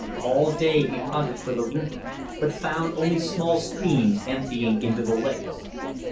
All day we hunted for the river, but found only small streams emptying into the lakes.